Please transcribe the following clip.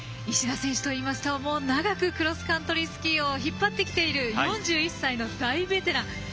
石田選手といいますと長くクロスカントリーを引っ張ってきている４１歳の大ベテラン。